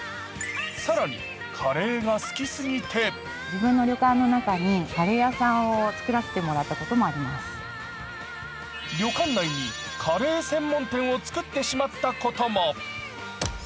更に、カレーが好きすぎて旅館内にカレー専門店を作ってしまったことも。